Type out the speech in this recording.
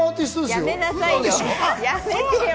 やめなさいよ。